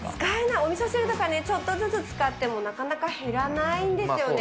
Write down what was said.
おみそ汁とか、ちょっとずつ使っても、なかなか減らないんですよね。